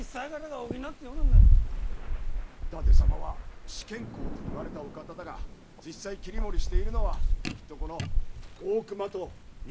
伊達様は四賢侯といわれたお方だが実際切り盛りしているのはきっとこの大隈と伊藤であろう。